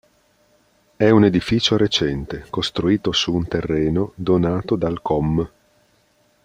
È un edificio recente, costruito su un terreno donato dal comm.